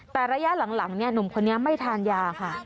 แต่ระยะหลังหนุ่มคนนี้ไม่ทานยาค่ะ